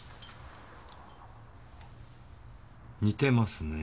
似てますね。